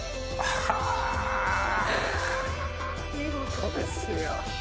はぁ見事ですよ。